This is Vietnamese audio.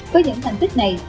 với những thành tích này